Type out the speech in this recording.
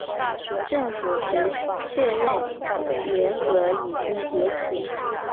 政府遂确认联合已经解体。